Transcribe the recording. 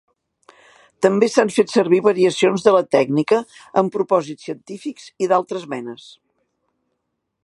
També s'han fet servir variacions de la tècnica amb propòsits científics i d'altres menes.